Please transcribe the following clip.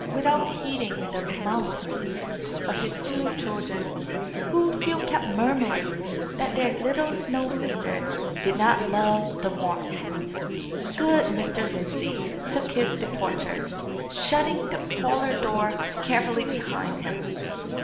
Without heeding the remonstrances of his two children, who still kept murmuring that their little snow sister did not love the warmth, good Mr. Lindsey took his departure, shutting the parlour door carefully behind him.